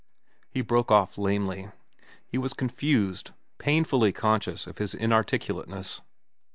He broke off lamely. He was confused, painfully conscious of his inarticulateness.